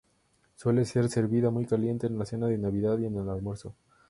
Suele ser servida muy caliente en la cena de Navidad y en el almuerzo.